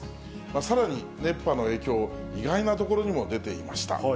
さらに、熱波の影響、意外な所にも出ていました。